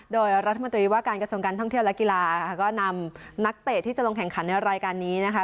โดยรัฐมนตรีว่าการกระทรวงการท่องเที่ยวและกีฬาก็นำนักเตะที่จะลงแข่งขันในรายการนี้นะคะ